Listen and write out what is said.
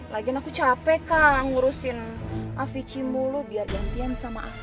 lagian aku capek kak ngurusin avicimu lu biar gantian sama aviv